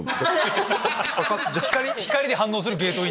光に反応するゲートイン。